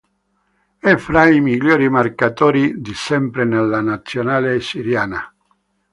È fra i migliori marcatori di sempre della Nazionale siriana.